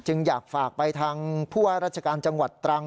อยากฝากไปทางผู้ว่าราชการจังหวัดตรัง